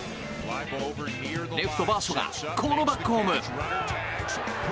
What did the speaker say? レフト、バーショがこのバックホーム！